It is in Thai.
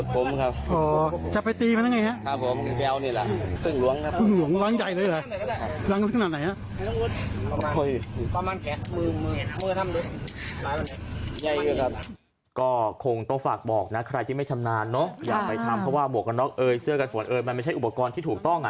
ก็คงต้องฝากบอกนะใครที่ไม่ชำนาญเนอะอย่าไปทำเพราะว่าหมวกกันน็อกเอยเสื้อกันฝนเอยมันไม่ใช่อุปกรณ์ที่ถูกต้อง